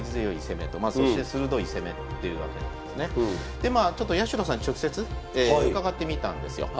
でまあ八代さんに直接伺ってみたんですよ。